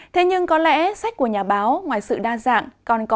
thế nhưng có lẽ sách của nhà báo ngoài sự đa dạng còn có